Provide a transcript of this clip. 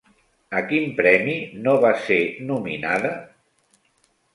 A quin premi no va ser nominada?